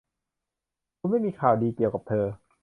คุณไม่มีข่าวดีเกี่ยวกับเธอ